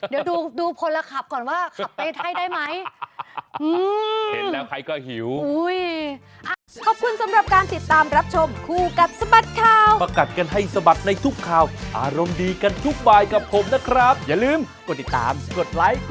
เดี๋ยวดูพลละขับก่อนว่าขับไปไทยได้มั้ย